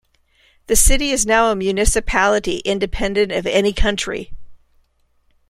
The city is now a municipality independent of any county.